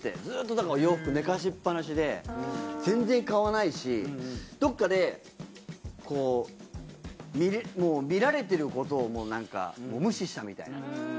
ずっとだから洋服寝かしっぱなしで全然買わないしどっかで見られてることをもう無視したみたいな。